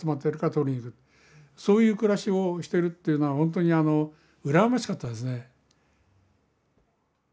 そういう暮らしをしてるというのは本当に羨ましかったですね。